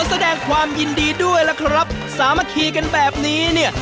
แสดงความยินดีด้วยล่ะครับสามัคคีกันแบบนี้เนี่ย